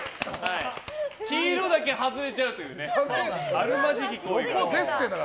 黄色だけ外れちゃうというあるまじき行為。